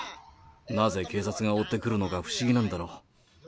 なぜ警察が追ってくるのか不思議なんだろう。